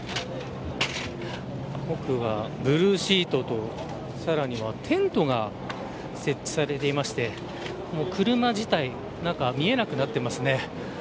奥はブルーシートとさらにはテントが設置されていまして車自体、中が見えなくなっています。